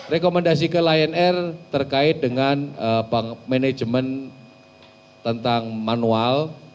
rekomendasi ke lion air terkait dengan manajemen tentang manual